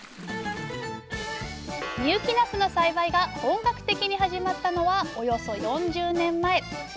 深雪なすの栽培が本格的に始まったのはおよそ４０年前。